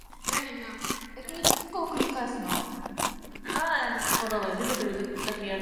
It also includes the Max Beckmann Archive.